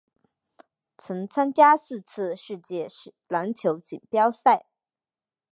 曾参加四次世界篮球锦标赛。